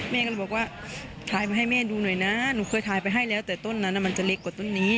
แม่ก็เลยบอกว่าถ่ายมาให้แม่ดูหน่อยนะหนูเคยถ่ายไปให้แล้วแต่ต้นนั้นมันจะเล็กกว่าต้นนี้